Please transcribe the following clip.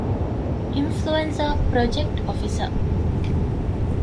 އިންފުލުއެންޒާ ޕްރޮޖެކްޓް އޮފިސަރ